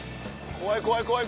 怖い怖い怖い。